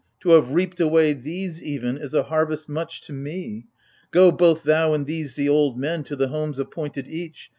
To have reaped away these, even, is a harvest much to me ! Go, both thou and these the old men, to the homes appointed each.